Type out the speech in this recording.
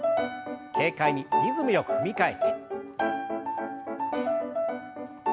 軽快にリズムよく踏み替えて。